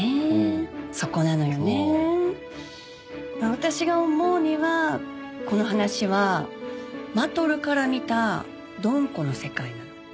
私が思うにはこの話はマトルから見たドン子の世界なの。